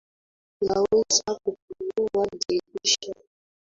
Unaweza kufungua dirisha.